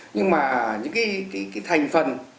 nhưng mà những cái thành phần